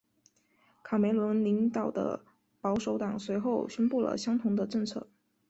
卡梅伦领导的保守党随后宣布了相同的政策。